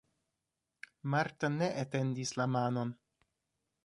Marta ne etendis la manon.